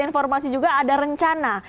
informasi juga ada rencana